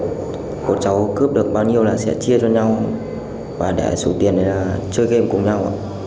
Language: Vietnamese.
cho nên là bọn cháu cướp được bao nhiêu là sẽ chia cho nhau và để số tiền là chơi game cùng nhau